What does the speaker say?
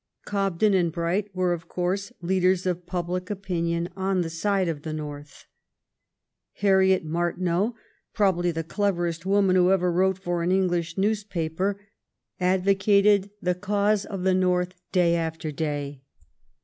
Cobden and Bright were, of course, leaders of public opinion on the side of the North. Harriet Martineau, probably the cleverest woman who ever wrote for an English newspaper, advocated 236 THE AMERICAN CIVIL WAR 237 the cause of the North day after day.